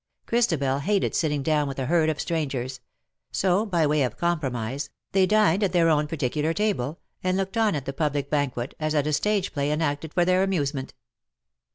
Chris tabel hated sitting down with a herd of strangers ; so, by way of compromise, they dined at their own particular table, and looked on at the public banquet, as at a stage play enacted for their amusement.